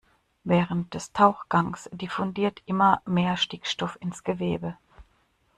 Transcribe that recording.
Während des Tauchgangs diffundiert immer mehr Stickstoff ins Gewebe.